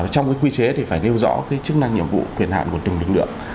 trong cái quy chế thì phải nêu rõ chức năng nhiệm vụ quyền hạn của từng lực lượng